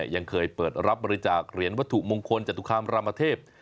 ยังเคยเปิดรับบริจาคเหรียญวัตถุมงคลจตุคามรามเทพ